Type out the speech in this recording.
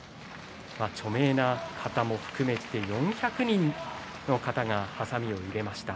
著名の方も含めて４００人の方がはさみを入れました。